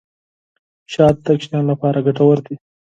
شات د ماشومانو لپاره ګټور دي.